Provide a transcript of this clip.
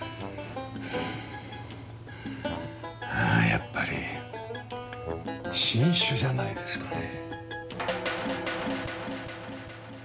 うんやっぱり新種じゃないですかね。